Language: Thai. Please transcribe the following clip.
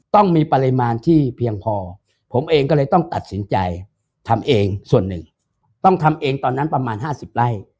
ต้องมีปริมาณที่เพียงพอผมเองก็เลยต้องตัดสินใจทำเองส่วนหนึ่งต้องทำเองตอนนั้นประมาณ๕๐ไร่